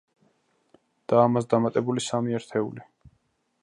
და ამას დამატებული სამი ერთეული.